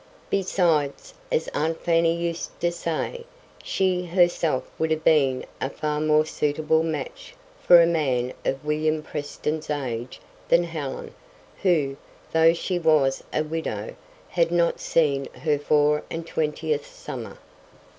Besides as aunt Fanny used to say, she herself would have been a far more suitable match for a man of William Preston's age than Helen, who, though she was a widow, had not seen her four and twentieth summer.